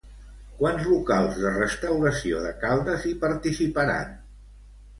Quants locals de restauració de Caldes hi participaran?